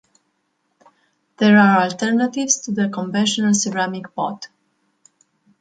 There are alternatives to the conventional ceramic pot.